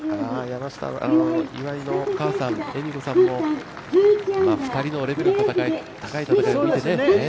岩井のお母さんも２人のレベルの高い戦いを見てね。